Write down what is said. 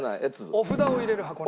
お札を入れる箱ね。